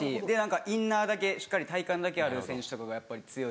インナーだけしっかり体幹だけある選手とかがやっぱり強い。